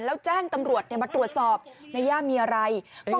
แล้วแจ้งตำรวจมาตรวจสอบในย่ามีอะไร